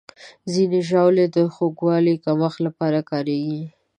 ځینې ژاولې د خوږوالي کمښت لپاره کارېږي.